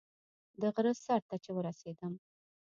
د غره سر ته چې ورسېدم.